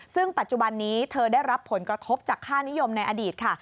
ซึ่งปัจจุบันนี้เธอได้รับผลกระทบจากค่านิยมในอดีตค่ะ